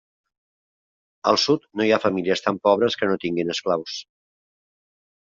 Al Sud no hi ha famílies tan pobres que no tinguin esclaus.